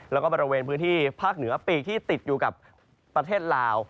แล้วก็บริเวณพื้นที่ภาคเหนือปีกที่ติดอยู่กับประเทศลาว